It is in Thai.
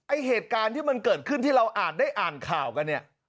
เหตุการณ์ที่มันเกิดขึ้นที่เราอ่านได้อ่านข่าวกันเนี่ย